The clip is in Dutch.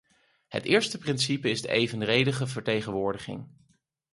Het eerste principe is de evenredige vertegenwoordiging.